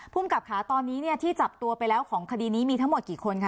ภูมิกับค่ะตอนนี้ที่จับตัวไปแล้วของคดีนี้มีทั้งหมดกี่คนคะ